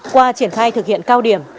qua triển khai thực hiện cao điểm